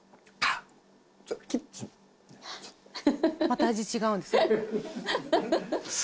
「また味違うんですね」